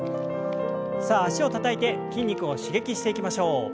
さあ脚をたたいて筋肉を刺激していきましょう。